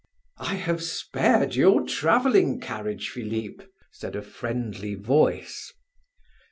"I have spared your traveling carriage, Philip," said a friendly voice.